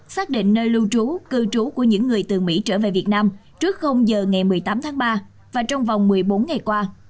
xác định nơi lưu trú cư trú của những người từ mỹ trở về việt nam trước giờ ngày một mươi tám tháng ba và trong vòng một mươi bốn ngày qua